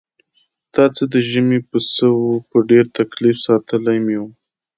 دا څه د ژمي پسه و په ډېر تکلیف ساتلی مې و.